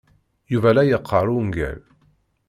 Yuba la yeqqar ungal.